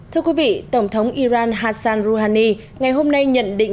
thưa quý vị tổng thống iran hassan rouhani ngày hôm nay nhận định